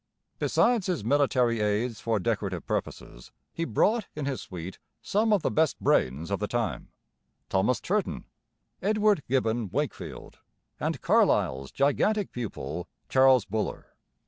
Besides his military aides for decorative purposes, he brought in his suite some of the best brains of the time, Thomas Turton, Edward Gibbon Wakefield, and Carlyle's gigantic pupil, Charles Buller.